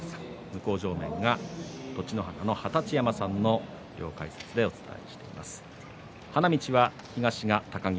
向正面が栃乃花の二十山さんの解説でお伝えしています。